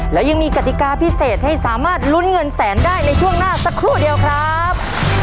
แล้วยังมีกติกาพิเศษให้สามารถลุ้นเงินแสนได้ในช่วงหน้าสักครู่เดียวครับ